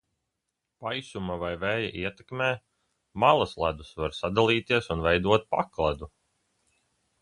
Paisuma vai vēja ietekmē malasledus var sadalīties un veidot pakledu.